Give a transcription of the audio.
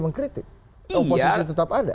mengkritik oposisi tetap ada